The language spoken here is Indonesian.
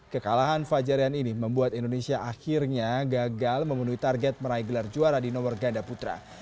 kekalahan fajar rian ini membuat indonesia akhirnya gagal memenuhi target meraih gelar juara di nomor ganda putra